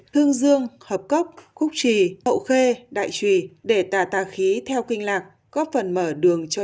thương dương hợp cốc khúc trì hậu khê đại trùy để tà tà khí theo kinh lạc góp phần mở đường cho